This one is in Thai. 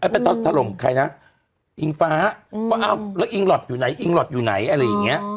ไปถล่มใครนะอิงฟ้าว่าอ้าวแล้วอิงหลอดอยู่ไหนอิงหลอดอยู่ไหนอะไรอย่างเงี้ย